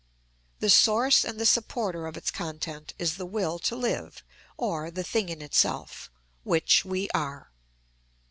The source and the supporter of its content is the will to live or the thing in itself,—which we are.